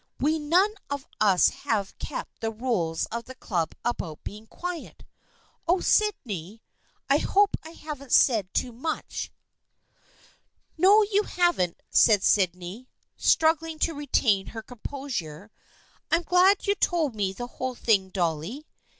We none of us have kept the rules of the Club about being quiet. Oh, Sydney, I hope I haven't said too much !"" No, you haven't," said Sydney, struggling to retain her composure. " I'm glad you told me the whole thing, Dolly.